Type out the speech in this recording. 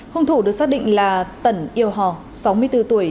hung thủ được xác định là tẩn yêu hò sáu mươi bốn tuổi